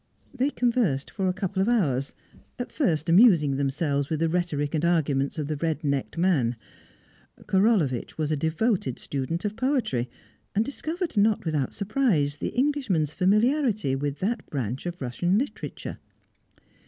They conversed for a couple of hours, at first amusing themselves with the rhetoric and arguments of the red necked man. Korolevitch was a devoted student of poetry, and discovered not without surprise the Englishman's familiarity with that branch of Russian literature.